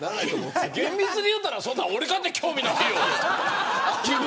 厳密に言ったらそんなの俺だって興味ないよ。